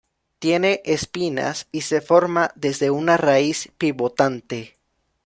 Tiene espinas y se forma desde una raíz pivotante.